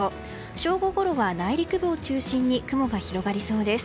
正午ごろは内陸部を中心に雲が広がりそうです。